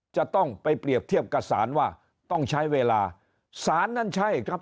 จะต้องไปเปรียบเทียบกับสารว่าต้องใช้เวลาสารนั่นใช่ครับ